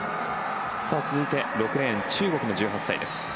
続いて、６レーン中国の１８歳です。